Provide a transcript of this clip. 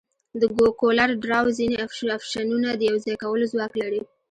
د کولر ډراو ځینې افشنونه د یوځای کولو ځواک لري.